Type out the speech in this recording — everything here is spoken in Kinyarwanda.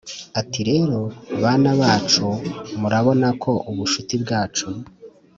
ati” rero bana bacu murabonako ubucuti bwacu